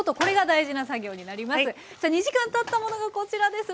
さあ２時間たったものがこちらです。